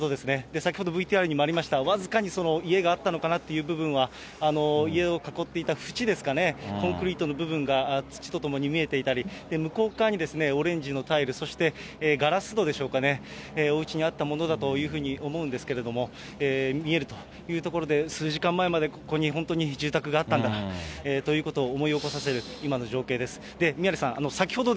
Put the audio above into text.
先ほど、ＶＴＲにもありました、僅かにその家があったのかなという部分は、家を囲っていた縁ですかね、コンクリートの部分が土とともに見えていたり、向こう側にオレンジのタイル、そしてガラス戸でしょうかね、おうちにあったものだというふうに思うんですけれども、見えるという所で、数時間前まで、ここに本当に住宅があったんだということを思い起こさせる今の情景です。